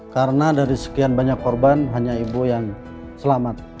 karena dari sekian banyak korban hanya ibu yang selamat